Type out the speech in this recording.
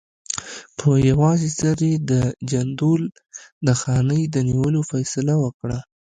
په یوازې سر یې د جندول د خانۍ د نیولو فیصله وکړه.